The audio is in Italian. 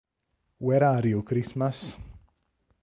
Where Are You Christmas?